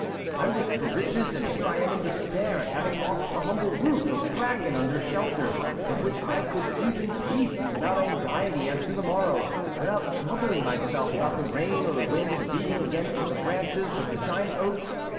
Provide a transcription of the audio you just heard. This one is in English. I wished for riches, and here I am in despair at having lost the humble roof of bracken under shelter of which I could sleep in peace without anxiety as to the morrow, without troubling myself about the rain or the wind beating against the branches of the giant oaks.